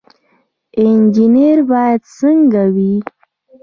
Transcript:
انجنیر باید څنګه وي؟